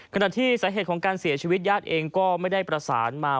ขณะที่สาเหตุของการเสียชีวิตญาติเองก็ไม่ได้ประสานมา